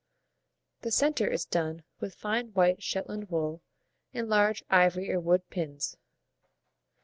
The centre is done with fine white Shetland wool and large ivory or wood pins.